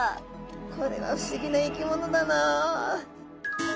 これは不思議な生き物だなあ。